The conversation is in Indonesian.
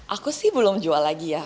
aku sih belum jual lagi ya